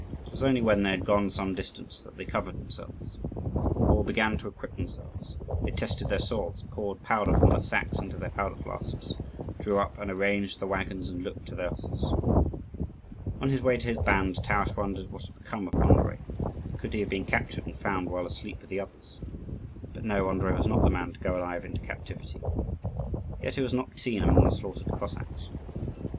It was only when they had gone some distance that they covered themselves. All began to equip themselves: they tested their swords, poured powder from the sacks into their powder flasks, drew up and arranged the waggons, and looked to their horses. On his way to his band, Taras wondered what had become of Andrii; could he have been captured and found while asleep with the others? But no, Andrii was not the man to go alive into captivity. Yet he was not to be seen among the slaughtered Cossacks.